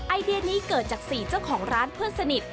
ไอเดียนี้เกิดจาก๔เจ้าของร้านเพื่อนสนิท